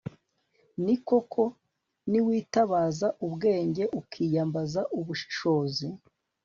ni koko, niwitabaza ubwenge ukiyambaza ubushishozi